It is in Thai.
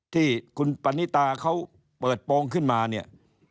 ที่คุณปณิตาเขาเปิดโปรงขึ้นมาเนี่ย